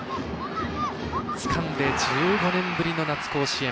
つかんで、１５年ぶりの夏甲子園。